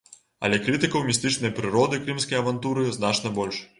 Але крытыкаў містычнай прыроды крымскай авантуры значна больш.